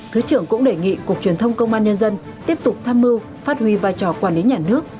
thứ trưởng cũng đề nghị cục truyền thông công an nhân dân tiếp tục tham mưu phát huy vai trò quản lý nhà nước